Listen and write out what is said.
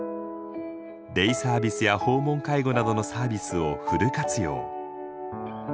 デイサービスや訪問介護などのサービスをフル活用。